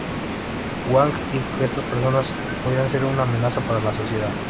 Huang dijo que estas personas podrían ser una amenaza para la sociedad.